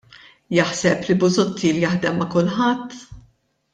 Jaħseb li Busuttil jaħdem ma' kulħadd?